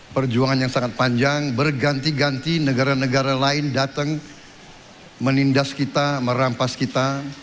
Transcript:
perjuangan yang sangat panjang berganti ganti negara negara lain datang menindas kita merampas kita